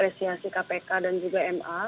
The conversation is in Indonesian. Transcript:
apresiasi kpk dan juga ma